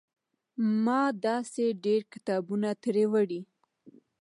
ما داسې ډېر کتابونه ترې وړي.